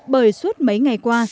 bởi suốt mấy ngày qua